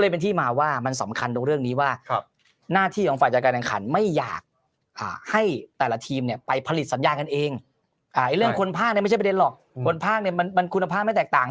เป็นเองเรื่องคนภาคไม่ใช่ประเด็นหรอกคนภาคมันคุณภาพไม่แตกต่าง